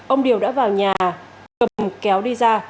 ông điều đã vào nhà cầm kéo đi ra